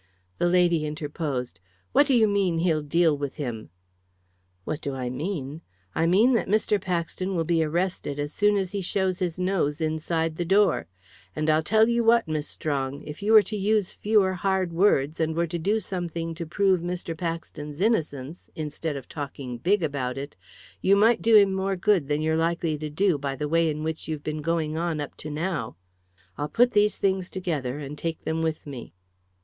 The lady interposed. "What do you mean he'll deal with him?" "What do I mean? I mean that Mr. Paxton will be arrested as soon as he shows his nose inside the door. And I'll tell you what, Miss Strong, if you were to use fewer hard words, and were to do something to prove Mr. Paxton's innocence, instead of talking big about it, you might do him more good than you're likely to do by the way in which you've been going on up to now. I'll put these things together and take them with me."